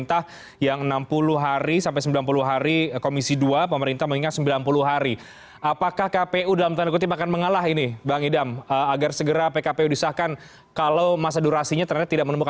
saya pikir ini bukan persoalan mengalah atau tidak